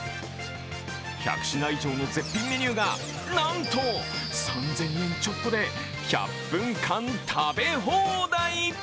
１００品以上の絶品メニューが、なんと３０００円ちょっとで１００分間食べ放題。